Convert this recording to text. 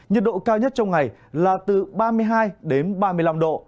nhiệt độ cao nhất trong ngày là từ ba mươi hai đến ba mươi năm độ